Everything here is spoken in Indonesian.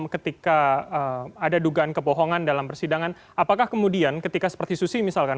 ketika ada dugaan kebohongan dalam persidangan apakah kemudian ketika seperti susi misalkan